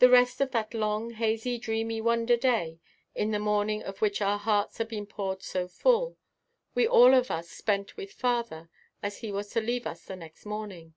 The rest of that long, hazy, dreamy, wonder day, in the morning of which our hearts had been poured so full, we all of us spent with father, as he was to leave us the next morning.